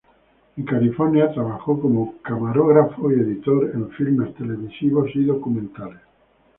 En California, trabajó como camarógrafo y editor en filmes televisivos y documentales.